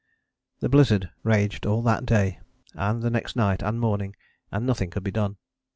The blizzard raged all that day, and the next night and morning, and nothing could be done.